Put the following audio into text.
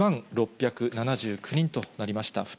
２万６７９人となりました。